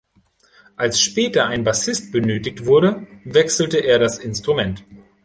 Als später ein Bassist benötigt wurde, wechselte er das Instrument.